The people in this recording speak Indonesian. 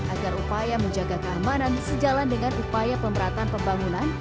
agar upaya menjaga keamanan sejalan dengan upaya pemberatan pembangunan